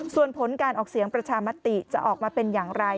ส่วนผลการออกเสียงประชามติจะออกมาเป็นอย่างไร